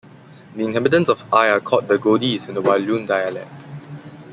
The inhabitants of Aye are called the "Godis" in the Walloon dialect.